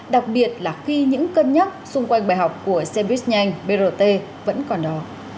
đặc biệt là khi những cân nhắc xung quanh bài học của xe buýt nhanh brt vẫn còn đó